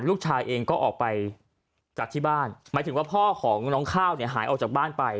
ลูกชายเองก็ออกไปจากที่บ้านหมายถึงว่าพ่อของน้องข้าวเนี่ยหายออกจากบ้านไป